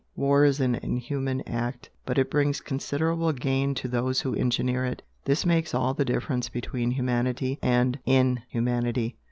War is an inhuman act, but it brings considerable gain to those who engineer it, this makes all the difference between humanity and INhumanity!"